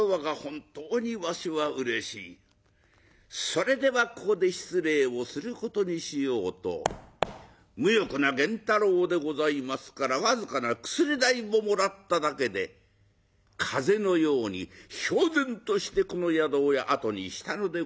それではここで失礼をすることにしようと無欲な源太郎でございますから僅かな薬代をもらっただけで風のようにひょう然としてこの宿を後にしたのでございました。